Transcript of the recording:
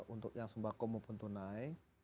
untuk yang sembako maupun tunai